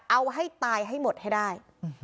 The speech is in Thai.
เอาให้ตายให้หมดให้ได้